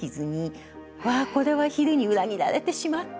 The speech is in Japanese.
わあこれは昼に裏切られてしまった！